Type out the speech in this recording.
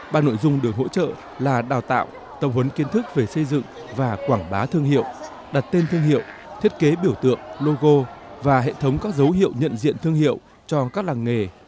ba nội dung được hỗ trợ là đào tạo tập huấn kiến thức về xây dựng và quảng bá thương hiệu đặt tên thương hiệu thiết kế biểu tượng logo và hệ thống các dấu hiệu nhận diện thương hiệu cho các làng nghề